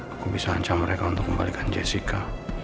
aku bisa ancam mereka untuk kembalikan jessica